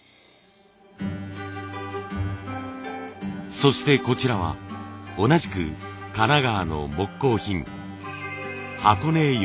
そしてこちらは同じく神奈川の木工品箱根寄木細工。